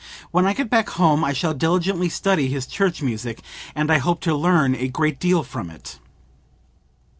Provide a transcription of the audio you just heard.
When I get back home I shall diligently study his church music, and I hope to learn a great deal from it."